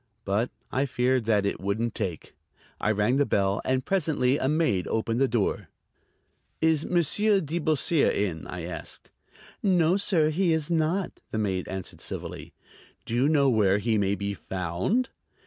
But I feared that it wouldn't take. I rang the bell, and presently a maid opened the door. "Is Monsieur de Beausire in?" I asked. "No, sir, he is not," the maid answered civilly. "Do you know where he may be found?"